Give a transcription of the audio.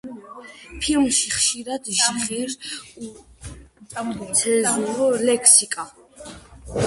ფილმში ხშირად ჟღერს უცენზურო ლექსიკა.